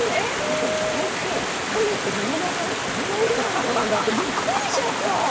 私、本当にカメってのろまじゃなくてあんな優雅に泳ぐんだって、びっくりしちゃった！